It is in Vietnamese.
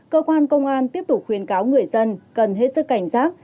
cơ quan công an tiếp tục khuyến cáo người dân cần hết sức cảnh giác